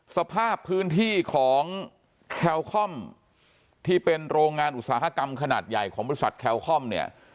สภาพพื้นที่ของแคลคอมที่เป็นโรงงานอุตสาหกรรมขนาดใหญ่ของบริษัทแคลคอมเนี่ย